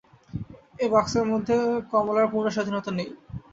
এ বাক্সের মধ্যে কমলার পূর্ণস্বাধীনতা নাই।